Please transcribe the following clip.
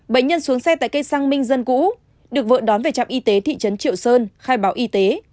bệnh nhân xuống xe tại cây xăng minh dân cũ được vợ đón về trạm y tế thị trấn triệu sơn khai báo y tế